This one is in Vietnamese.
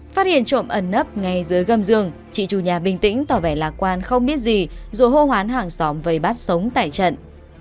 phát hiện trộm ẩn nấp ngay dưới gâm giường chị chủ nhà bình tĩnh tỏ vẻ lạc quan không biết gì rồi hô hoán hàng xóm vây bắt sống tại trận